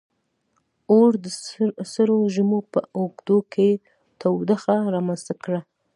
• اور د سړو ژمو په اوږدو کې تودوخه رامنځته کړه.